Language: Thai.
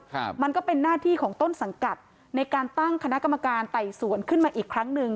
ครับมันก็เป็นหน้าที่ของต้นสังกัดในการตั้งคณะกรรมการไต่สวนขึ้นมาอีกครั้งหนึ่ง